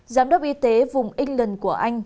giám đốc y tế vùng england của anh